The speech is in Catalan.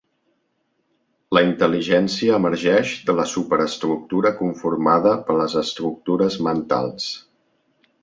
La intel·ligència emergeix de la supraestructura conformada per les estructures mentals.